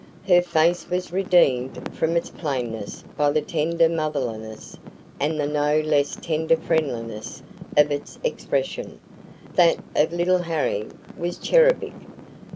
Her face was redeemed from its plainness by the tender motherliness and the no less tender friendliness of its expression; that of little Harry was cherubic.